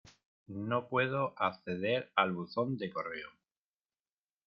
No puedo acceder al buzón de correo.